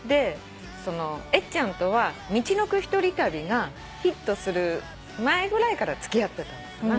そのえっちゃんとは『みちのくひとり旅』がヒットする前ぐらいから付き合ってたのかな。